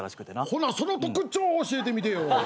ほなその特徴教えてみてよ。